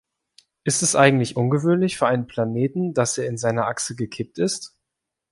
Ist es eigentlich ungewöhnlich für einen Planeten, dass er in seiner Achse gekippt ist?